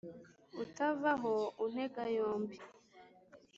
utavaho untega yombi